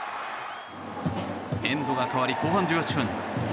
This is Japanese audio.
エンドが変わり後半１８分。